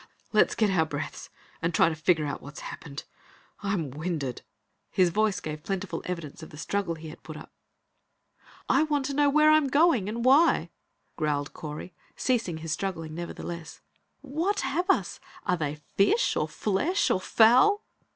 "Let's get our breaths and try to figure out what's happened. I'm winded!" His voice gave plentiful evidence of the struggle he had put up. "I want to know where I'm going, and why!" growled Correy, ceasing his struggling, nevertheless. "What have us? Are they fish or flesh or fowl?"